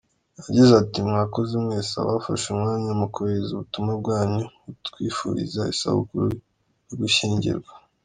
Yagize ati “Mwakoze mwese abafashe umwanya mukohereza ubutumwa bwanyu butwifuriza isabukuru y’ugushyingirwa.